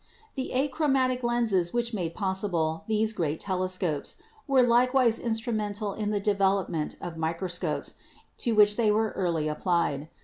The achromatic lenses which made possible these great telescopes were likewise instrumental in the development of microscopes, to which they were early applied.